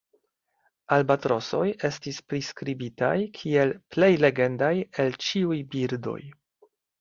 Albatrosoj estis priskribitaj kiel "plej legendaj el ĉiuj birdoj".